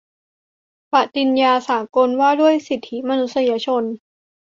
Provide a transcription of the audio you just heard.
ปฏิญญาสากลว่าด้วยสิทธิมนุษยชน